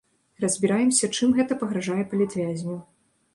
Разбіраемся, чым гэта пагражае палітвязню.